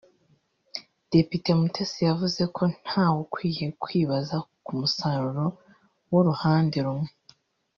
Depite Mutesi yavuze ko ntawe ukwiye kwibaza ku musaruro w’uruhande rumwe